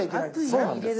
そうなんです。